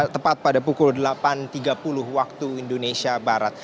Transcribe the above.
tepat pada pukul delapan tiga puluh waktu indonesia barat